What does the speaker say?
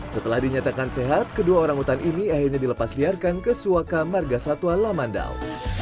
setelah dinyatakan sehat kedua orang utan ini akhirnya dilepasliarkan ke suaka margasatwa lamandau